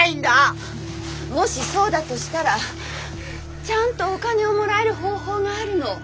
もしそうだとしたらちゃんとお金をもらえる方法があるの。